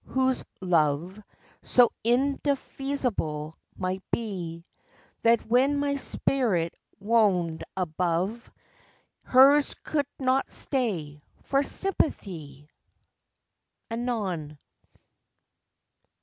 whose love So indefeasible might be, That when my spirit wonn'd above, Hers could not stay, for sympathy. Anon.